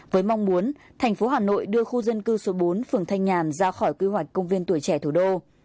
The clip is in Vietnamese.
với mong muốn thành phố hà nội đưa khu dân cư số bốn phường thanh nhàn ra khỏi quy hoạch công viên tuổi trẻ thủ đô